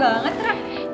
gak ada apa apa